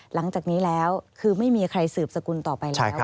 หลังจากนี้แล้วคือไม่มีใครสืบสกุลต่อไปแล้ว